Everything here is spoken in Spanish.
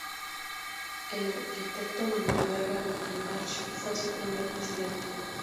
El arquitecto Manuel Vega i March fue su primer presidente.